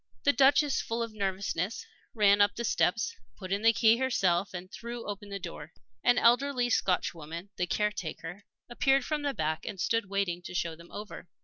The Duchess, full of nervousness, ran up the steps, put in the key herself, and threw open the door. An elderly Scotchwoman, the caretaker, appeared from the back and stood waiting to show them over.